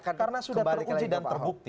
karena sudah teruji dan terbukti